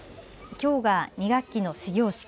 きょうが２学期の始業式。